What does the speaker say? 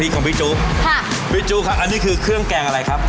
ของพี่จุ๊บค่ะพี่จุ๊ครับอันนี้คือเครื่องแกงอะไรครับ